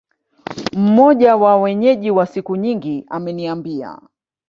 Mmoja wa Wenyeji wa siku nyingi ameniambia